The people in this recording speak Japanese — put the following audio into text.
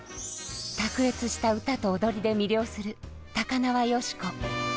卓越した歌と踊りで魅了する高輪芳子。